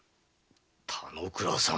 田之倉様。